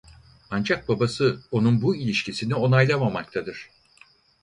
Ancak babası onun bu ilişkisini onaylamamaktadır.